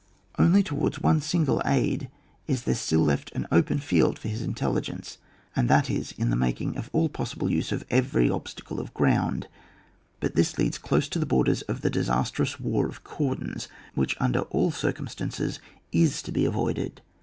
Only towards one single side is there stiU left an open field for his intelligence, and that is in making all possible use of every obstacle of ground ; but this leads close to the borders of ihe disastrous war of cordons, which, under all circumstances, is to be avoided.